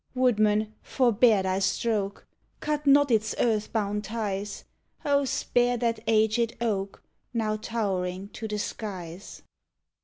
Woodman, forbear thy stroke! Cut not its earth bound ties; O, spare that aged oak, Now towering to the skies!